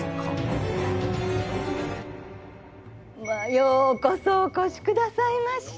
ようこそお越しくださいました。